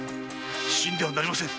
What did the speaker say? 死んではなりませぬ。